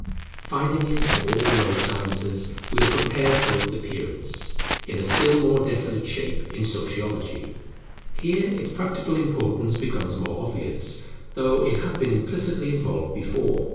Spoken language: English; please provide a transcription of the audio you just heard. Finding it in all the lower sciences, we are prepared for its appearance in a still more definite shape in Sociology. Here its practical importance becomes more obvious, though it had been implicitly involved before.